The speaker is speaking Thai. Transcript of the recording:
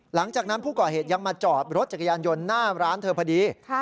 หลังจากนั้นผู้ก่อเหตุยังมาจอดรถจักรยานยนต์หน้าร้านเธอพอดี